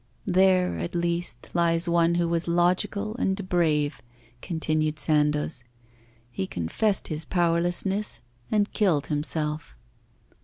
'There, at least, lies one who was logical and brave,' continued Sandoz; 'he confessed his powerlessness and killed himself.